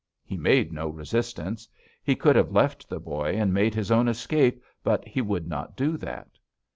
He made no resistance. He could have left the boy and made his own escape, but he would not do that.